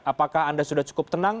apakah anda sudah cukup tenang